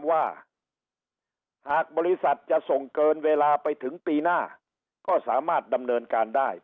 ว่าหากบริษัทจะส่งเกินเวลาไปถึงปีหน้าก็สามารถดำเนินการได้